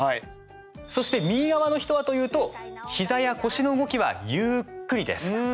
そして、右側の人はというと膝や腰の動きはゆっくりです。